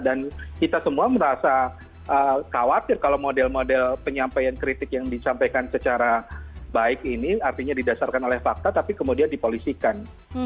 dan kita semua merasa khawatir kalau model model penyampaian kritik yang disampaikan secara baik ini artinya didasarkan oleh fakta tapi kemudian dipolisikan